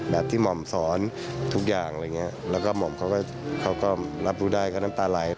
แบบที่หม่อมสอนทุกอย่างอะไรอย่างเงี้ยแล้วก็หม่อมเขาก็เขาก็รับรู้ได้ก็น้ำตาไหล